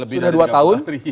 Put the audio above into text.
sudah lebih dari tiga tahun